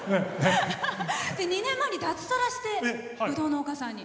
２年前に脱サラしてぶどう農家さんに。